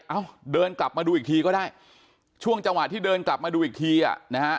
เดินกลับมาดูอีกทีก็ได้ช่วงจังหวะที่เดินกลับมาดูอีกทีอ่ะนะฮะ